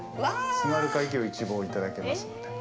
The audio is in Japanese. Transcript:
津軽海峡を一望いただけますので。